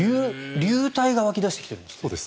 流体が湧き出してきているんですね。